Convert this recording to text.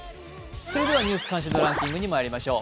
「ニュース関心度ランキング」にまいりましょう。